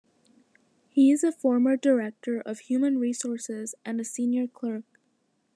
He is a former director of human resources and a senior clerk.